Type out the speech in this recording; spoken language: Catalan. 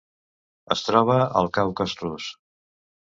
Es troba al Caucas rus.